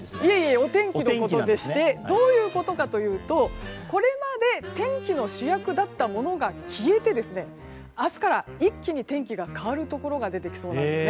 お天気のことでしてどういうことかというとこれまで天気の主役だったものが消えて明日から一気に天気が変わるところが出てきそうなんです。